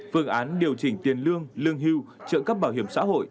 phương án điều chỉnh tiền lương lương hưu trợ cấp bảo hiểm xã hội